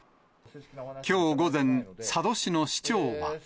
きょう午前、佐渡市の市長は。